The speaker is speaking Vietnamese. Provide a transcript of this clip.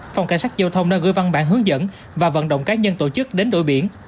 phòng cảnh sát giao thông đã gửi văn bản hướng dẫn và vận động cá nhân tổ chức đến đội biển